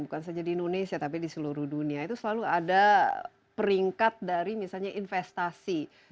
bukan saja di indonesia tapi di seluruh dunia itu selalu ada peringkat dari misalnya investasi